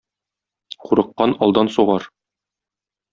Курыккан алдан сугар.